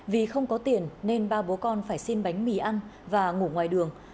vì không có tiền nên ba bố con phải xin bánh mì ăn và ngủ ngoài đường